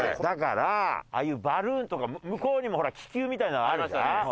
だからああいうバルーンとか向こうにもほら気球みたいなのあるじゃん？